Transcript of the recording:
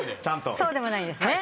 そうでもないですね。